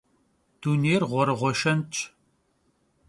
Dunêyr ğuerığue şşentş.